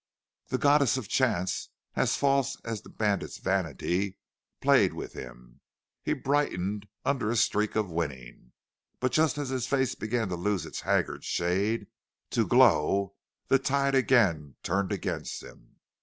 The goddess of chance, as false as the bandit's vanity, played with him. He brightened under a streak of winning. But just as his face began to lose its haggard shade, to glow, the tide again turned against him.